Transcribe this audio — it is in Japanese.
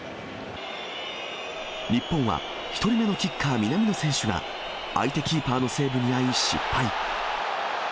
日本は、１人目のキッカー、南野選手が相手キーパーのセーブにあい、失敗。